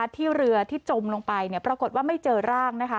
ที่เรือที่จมลงไปเนี่ยปรากฏว่าไม่เจอร่างนะคะ